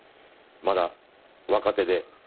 まだ若手で。